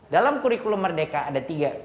dalam kurikulum merdeka ada tiga